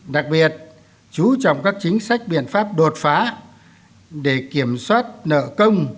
đặc biệt chú trọng các chính sách biện pháp đột phá để kiểm soát nợ công